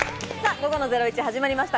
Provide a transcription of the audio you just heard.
午後の『ゼロイチ』始まりました。